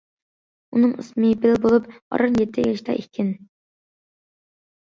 ئۇنىڭ ئىسمى بېل بولۇپ، ئاران يەتتە ياشتا ئىكەن.